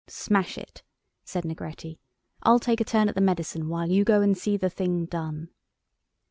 "Smash it," said Negretti. "I'll take a turn at the medicine while you go and see the thing done."